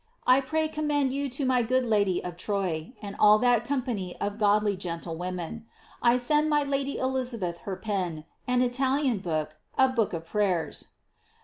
I pray commend you to my good Lady of Troye, and all that company of godly gentlewomen. I send my Lady (Elizabeth) her pen, an Italian book, a book of prayers.